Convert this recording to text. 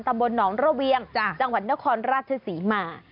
ตำบลหนองระเวียงจังหวัดนครราชศรีมา